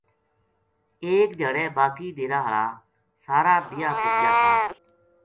ایک دھیاڑے باقی ڈیرا ہالا سارا بیاہ پو گیا تھا